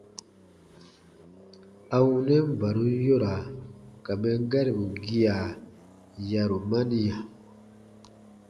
A wunɛn barum yoraa ka mɛn garibu gia, yarumaniya.